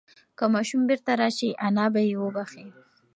که ماشوم بیرته راشي انا به یې وبښي.